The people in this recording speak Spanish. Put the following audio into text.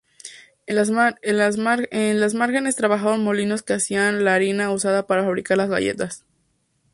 En las márgenes trabajaron molinos que hacían la harina usada para fabricar las galletas.